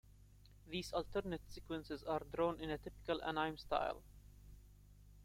These alternate sequences are drawn in a typical anime style.